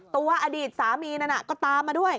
อดีตสามีนั้นก็ตามมาด้วย